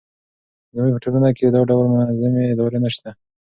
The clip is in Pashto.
زموږ په ټولنه کې دا ډول منظمې ادارې نه شته.